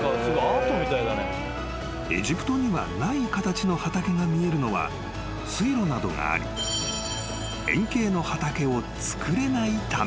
［エジプトにはない形の畑が見えるのは水路などがあり円形の畑をつくれないため］